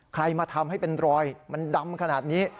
ใครมาทำให้เป็นรอยมันดำขนาดนี้